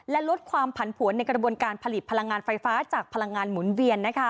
และลดความผันผวนในกระบวนการผลิตพลังงานไฟฟ้าจากพลังงานหมุนเวียน